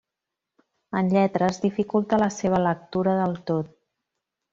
En lletres, dificulta la seva lectura del tot.